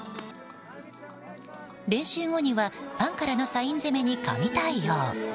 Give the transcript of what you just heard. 練習後にはファンからのサイン攻めに神対応。